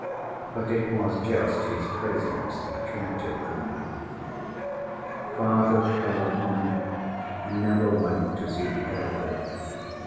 But it was just his craziness attracted them. Father Ferapont never went to see the elder.